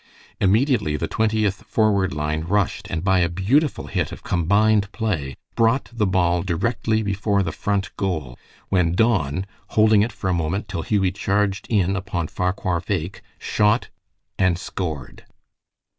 Immediately the Twentieth forward line rushed, and by a beautiful hit of combined play, brought the ball directly before the Front goal, when Don, holding it for a moment till Hughie charged in upon Farquhar Bheg, shot, and scored.